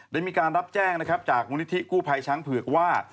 ได้มีการรับแจ้งนะครับจากมูลนิธิกู้ภัยช้างเผือกว่า